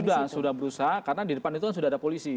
sudah sudah berusaha karena di depan itu kan sudah ada polisi